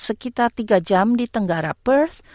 sekitar tiga jam di tenggara perth